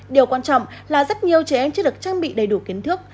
điều quan trọng là rất nhiều trẻ em chưa được trang bị đầy đủ kiến thức